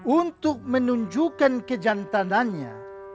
untuk menunjukkan kejantanannya